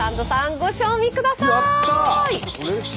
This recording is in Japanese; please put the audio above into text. ご賞味ください！